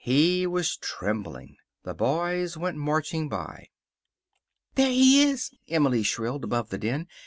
He was trembling. The boys went marching by. "There he is," Emily shrilled, above the din.